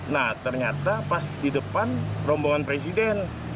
nah ternyata pas di depan rombongan presiden